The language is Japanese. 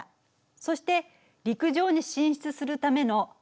そして陸上に進出するための肺呼吸。